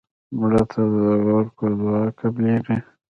مړه ته د ورکو دعا قبلیږي